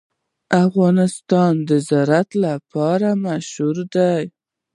افغانستان د زراعت لپاره مشهور دی.